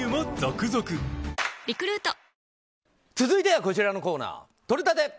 続いてはこちらのコーナーとれたて！